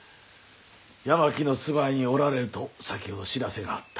八巻の住まいにおられると先ほど知らせがあった。